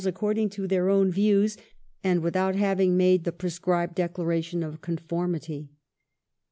according to their own views, and without having made the prescribed declaration of conformity.